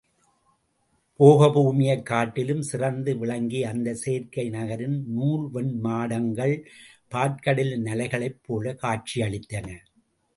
போகபூமியைக் காட்டிலும் சிறந்து விளங்கிய அந்தச் செயற்கை நகரின் நூல்வெண் மாடங்கள் பாற்கடலின் அலைகளைப் போலக் காட்சியளித்தன.